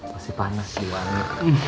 masih panas di wangi